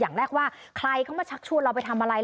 อย่างแรกว่าใครเขามาชักชวนเราไปทำอะไร